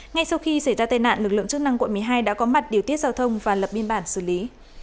ngay sau khi xảy ra tai nạn lực lượng chức năng quận một mươi hai đã có mặt điều tiết giao thông và lập biên bản xử lý